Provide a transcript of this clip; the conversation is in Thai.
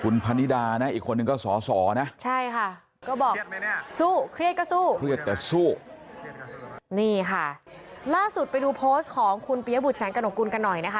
นี่ค่ะล่าสุดไปดูโพสต์ของคุณปิยบุตรแสนกระหนกกุลกันหน่อยนะคะ